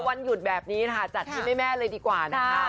วันหยุดแบบนี้นะคะจัดที่แม่เลยดีกว่านะคะ